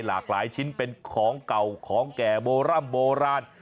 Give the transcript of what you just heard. หลากหลายชิ้นเป็นของเก่าของแก่โบร่ำโบราณ